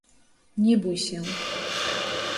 Nie bój się.